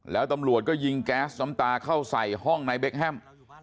แล้วตำรวจก็ยิงแก๊สน้ำตาเข้าใส่ห้องนายเบคแฮม